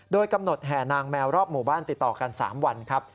โดยกำหนดแห่นางแมวรอบหมู่บ้านติดต่อกัน๓วันครับ